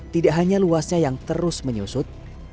tidak hanya luasnya yang terus menyusut